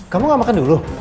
kamu nggak makan dulu